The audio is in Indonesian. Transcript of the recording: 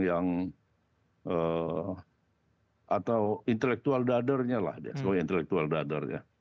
yang atau intelektual dadernya lah ya